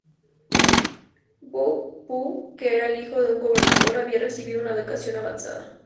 Guo Pu que era el hijo de un gobernador, había recibido una educación avanzada.